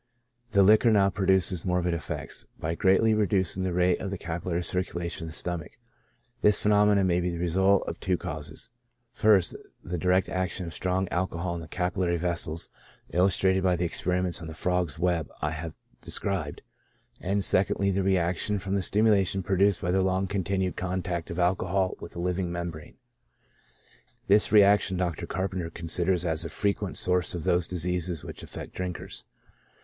The liquor now produces morbid effects, by greatly reducing the rate of the capillary circulation of the stomach. This phenomenon may be the result of two causes : ist, the direct action of strong alcohol on the cap illary vessels, illustrated by the experiments on the frog's web I have described ; and 2dly, the reaction from the stimulation produced by the long continued contact of al cohol with a living membrane ; this reaction Dr. Carpenter considers as a frequent source of those diseases which af fect drinkers.